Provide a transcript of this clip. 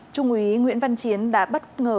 trung úy nguyễn văn chiến đã bất ngờ